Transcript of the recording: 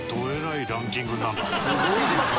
すごいですね。